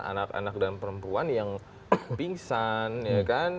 anak anak dan perempuan yang pingsan